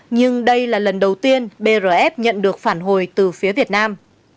nhưng đây là lần đầu tiên brf nhận được phản hồi từ phía việt nam